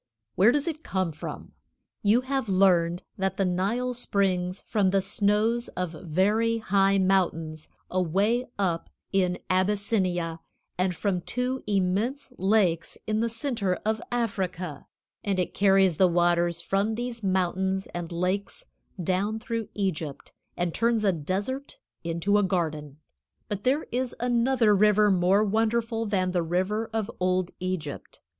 Where does it come from? You have learned that the Nile springs from the snows of very high mountains away up in Abyssinia, and from two immense lakes in the center of Africa, and it carries the waters from these mountains and lakes down through Egypt, and turns a desert into a garden. But there is another river more wonderful than the river of old Egypt.